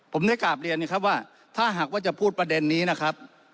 ผมได้กราบเรียนนะครับว่าถ้าหากว่าจะพูดประเด็นนี้นะครับ